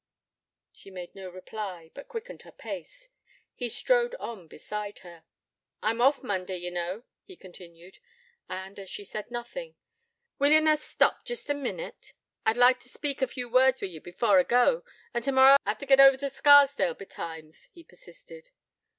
She made no reply, but quickened her pace. He strode on beside her. 'I'm off, Monday, ye know,' he continued. And, as she said nothing, 'Will ye na stop jest a minnit? I'd like t' speak a few words wi' ye before I go, an tomorrow I hev t' git over t' Scarsdale betimes,' he persisted.